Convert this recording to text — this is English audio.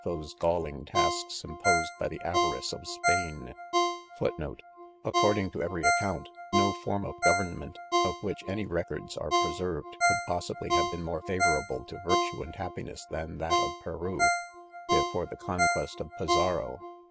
those falling fesks .imposed, by the avarice of Spain, f * According to every account, no form of government of which, any records are preserved, could possibly have been : more favourable to virtue and happiness than that of Peru, Before the conquest of Pizarro.